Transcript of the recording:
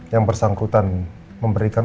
yang bersangkutan memberikan